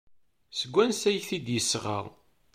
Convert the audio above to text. Seg wansi ay t-id-yesɣa?